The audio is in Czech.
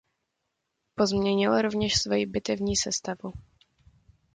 Pozměnil rovněž svoji bitevní sestavu.